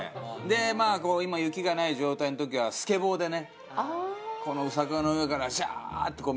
まあ今雪がない状態の時はスケボーでねこの坂の上からシャーッてみんなで。